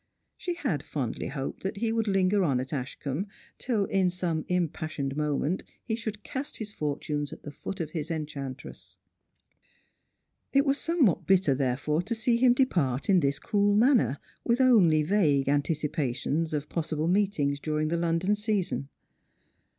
She had fondly hoped that he would linger on at Ashcombe till in some impassioned moment he should cast his fortunes at the feet of his enchantress. It was somewhat bitter therefore to see him depart in this cool manner, with only vague anticipa tions of possible meetinits during the London season.